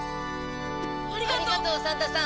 ありがとうサンタさん！